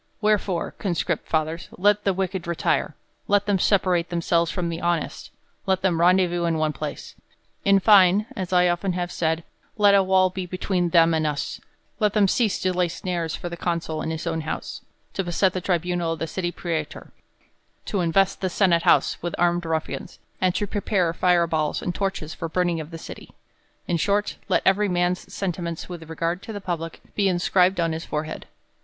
Wherefore, con script fathers, let the wicked retire ; let them sepa rate themselves from the honest ; let them rendezvous in one place. In fine, as I have often said, let a v/all be between them anii us ; let them cease to lay snares for the consul in his own house ; to beset the tribunal of the city prastor ; to invest the senate house with armed rutnans, and to prepare fire balls and torches for burning the city : in short, let every man's sentiments with regard to the public be inscribed on his forehead.